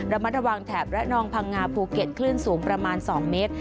ระมัดระวังแถบระนองพังงาภูเก็ตคลื่นสูงประมาณ๒เมตร